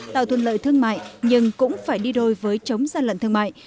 tạo thuận lợi thương mại nhưng cũng phải đi đôi với chống gian lận thương mại